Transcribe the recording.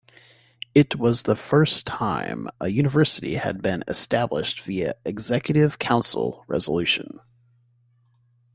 It was the first time a university had been established via Executive Council resolution.